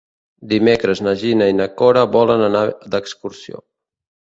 Dimecres na Gina i na Cora volen anar d'excursió.